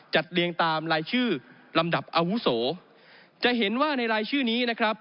เรียงตามรายชื่อลำดับอาวุโสจะเห็นว่าในรายชื่อนี้นะครับ